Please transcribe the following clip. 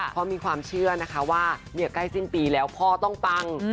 เพราะมีความเชื่อนะคะว่าใกล้สิ้นปีแล้วพ่อต้องปัง